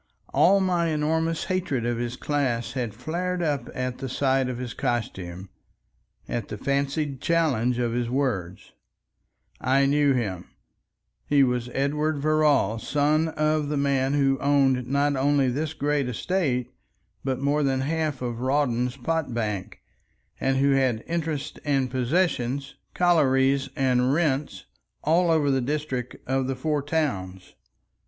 All my enormous hatred of his class had flared up at the sight of his costume, at the fancied challenge of his words. I knew him. He was Edward Verrall, son of the man who owned not only this great estate but more than half of Rawdon's pot bank, and who had interests and possessions, collieries and rents, all over the district of the Four Towns.